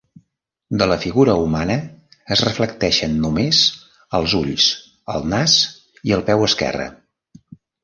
De la figura humana es reflecteixen només els ulls, el nas i el peu esquerre.